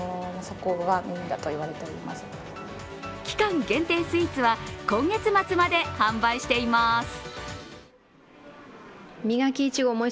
期間限定スイーツは今月末まで販売しています。